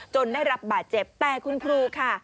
ได้รับบาดเจ็บแต่คุณครูค่ะ